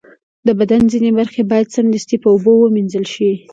د بدن ځینې برخې باید سمدستي په اوبو ومینځل شي.